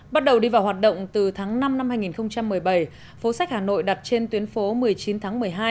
bắt đầu đi vào hoạt động từ tháng năm năm hai nghìn một mươi bảy phố sách hà nội đặt trên tuyến phố một mươi chín tháng một mươi hai